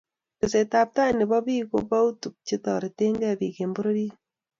teset ab tai ne bo biik ko pou tuchye toretokee pik eng pororiet